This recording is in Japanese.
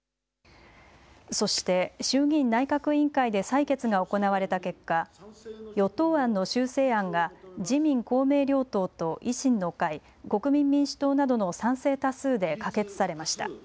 そして、衆議院内閣委員会で採決が行われた結果与党案の修正案が自民・公明両党と維新の会国民民主党などの賛成多数で可決されました。